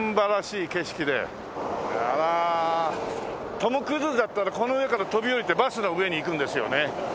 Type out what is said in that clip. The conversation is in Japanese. トム・クルーズだったらこの上から飛び降りてバスの上に行くんですよね。